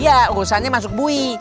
iya urusannya masuk bui